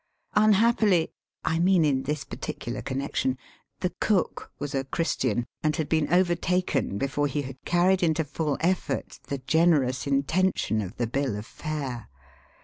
Unhappily (I mean in this particular connection), the cook was a Christian, and had been overtaken before he had carried into full effort the generous intention of the bill of Digitized by VjOOQIC 254 EAST BY WEST. fare.